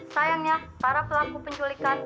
sayangnya para pelaku penculikan